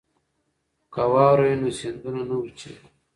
که واوره وي نو سیندونه نه وچیږي.